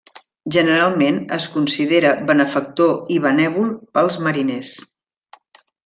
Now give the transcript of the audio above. Generalment es considera benefactor i benèvol pels mariners.